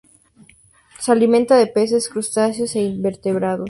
Se alimenta de peces, crustáceos e invertebrados.